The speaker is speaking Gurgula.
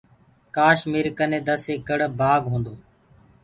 ڪآش ميرآ ڪنآ دس ايڪڙ بآگ هيندو۔